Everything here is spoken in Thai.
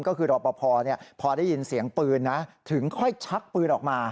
ก็คือรอปภพอได้ยินเสียงปืนนะถึงค่อยชักปืนออกมา